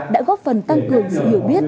đã góp phần tăng cường sự hiểu biết